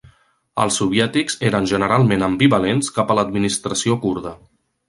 Els soviètics eren generalment ambivalents cap a l'administració kurda.